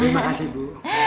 terima kasih bu